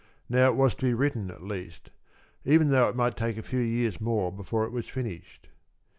Now it was to be written, at least, even though it might take a few years more before it was finished.